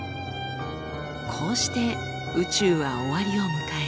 こうして宇宙は終わりを迎える。